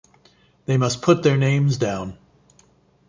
They must put their names down.